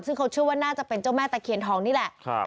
ซึ่งเขาเชื่อว่าน่าจะเป็นเจ้าแม่ตะเคียนทองนี่แหละ